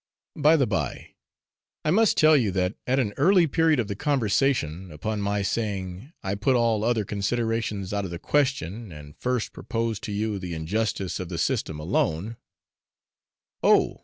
By the by, I must tell you, that at an early period of the conversation, upon my saying, 'I put all other considerations out of the question, and first propose to you the injustice of the system alone,' 'Oh!'